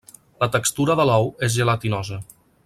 La textura de l'ou és gelatinosa.